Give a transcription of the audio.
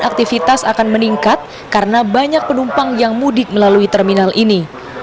aktivitas akan meningkat karena banyak penumpang yang mudik melalui terminal ini